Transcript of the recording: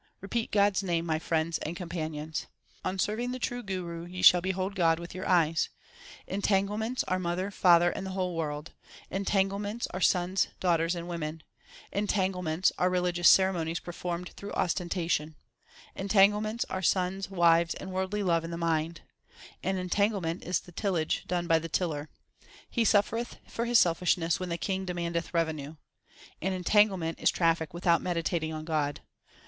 Repeat God s name, my friends and companions. On serving the true Guru ye shall behold God with your eyes. Entanglements are mother, father, and the whole world ; Entanglements are sons, daughters, and women ; Entanglements are religious ceremonies performed through ostentation ; Entanglements are sons, wives, and worldly love in the mind ; An entanglement is the tillage done by the tiller He suffereth for his selfishness when the King demandeth revenue An entanglement is traffic without meditating on God.